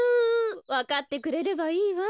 わかってくれればいいわ。